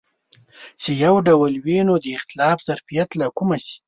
چې یو ډول وي نو د اختلاف ظرفیت له کومه شي.